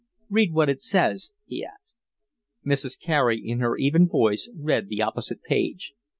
"Read what it says," he asked. Mrs. Carey in her even voice read the opposite page.